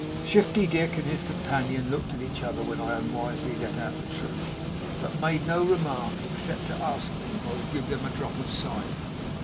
Shifty Dick and his companion looked at each other when I unwisely let out the truth, but made no remark except to ask me if I would give them a drop of cider.